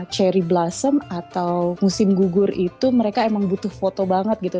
cherry blossom atau musim gugur itu mereka emang butuh foto banget gitu